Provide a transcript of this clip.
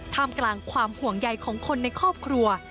กลางความห่วงใยของคนในครอบครัว